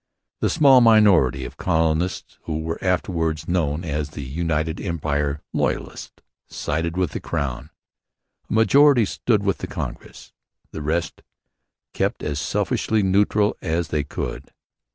The small minority of colonists who were afterwards known as the United Empire Loyalists sided with the Crown. A majority sided with the Congress. The rest kept as selfishly neutral as they could.